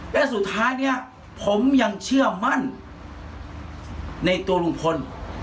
และสุดท้ายเนี่ยผมยังเชื่อมั่นในตัวลุงพล